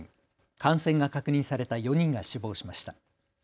感染が確認された４人が死亡しました。